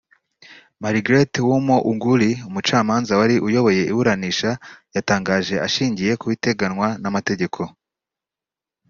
Margaret Oumo Oguli Umucamanza wari uyoboye iburanisha yatangaje ashingiye ku biteganwa n’amategeko